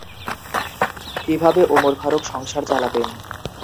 কিভাবে ওমর ফারুক সংসার চালাতেন?